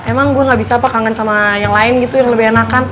emang gue gak bisa apa kangen sama yang lain gitu yang lebih enakan